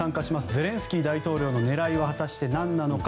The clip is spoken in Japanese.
ゼレンスキー大統領の狙いは果たして何なのか。